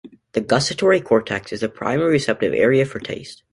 The gustatory cortex is the primary receptive area for taste.